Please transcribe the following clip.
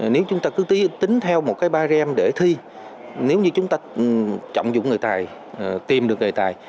nếu chúng ta cứ tính theo một cái ba gram để thi nếu như chúng ta trọng dụng người tài tìm được đề tài